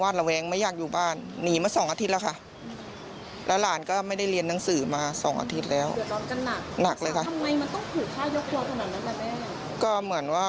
เรื่องส่วนตัวอะไรแบบนี้หึงห่วงอะไรแบบนี้